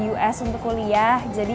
us untuk kuliah jadi